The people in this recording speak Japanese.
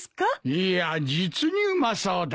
いや実にうまそうだ。